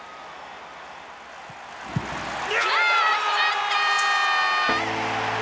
あ決まった！